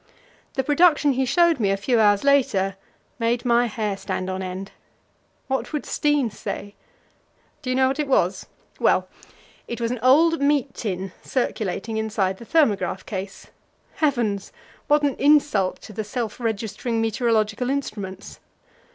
The production he showed me a few hours later made my hair stand on end. What would Steen say? Do you know what it was? Well, it was an old meat tin circulating inside the thermograph case. Heavens! what an insult to the self registering meteorological instruments!